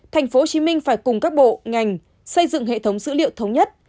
tp hcm phải cùng các bộ ngành xây dựng hệ thống dữ liệu thống nhất